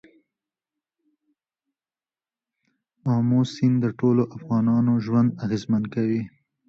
آمو سیند د ټولو افغانانو ژوند اغېزمن کوي.